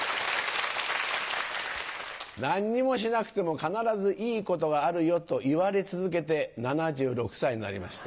何にもしなくても必ずいいことがあるよと言われ続けて７６歳になりました。